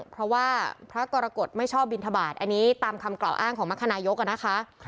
เพราะว่าพระกรกฎไม่ชอบบินทบาทอันนี้ตามคำกล่าวอ้างของมรคนายกนะคะ